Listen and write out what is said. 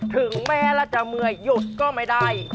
ถึงแม้เราจะเมื่อยหยุดก็ไม่ได้